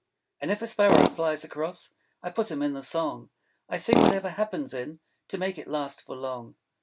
And if a Sparrow flies across, I put him in the Song. I sing whatever happens in, To make it last for long.